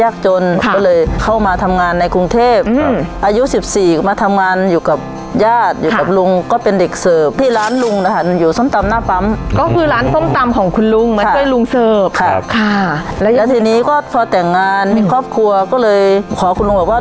ก็คือร้านส้มตำของคุณลุงมาช่วยลุงเสิร์ฟค่ะค่ะแล้วทีนี้ก็พอแต่งงานมีครอบครัวก็เลยขอคุณลุงบอกว่า